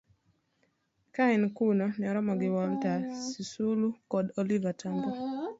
Ka en kuno, ne oromo gi Walter Sisulu kod Oliver Tambo